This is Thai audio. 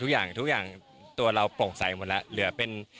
ทุกอย่างทุกอย่างตัวเราโปร่งใส่หมดแล้ว